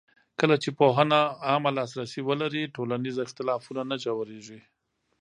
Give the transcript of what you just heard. کله چې پوهنه عامه لاسرسی ولري، ټولنیز اختلافونه نه ژورېږي.